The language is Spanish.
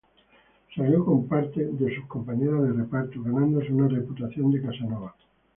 Salió con parte de sus compañeras de reparto, ganándose una reputación de casanova.